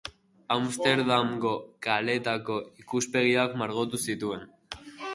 Amsterdamgo kaleetako ikuspegiak margotu zituen.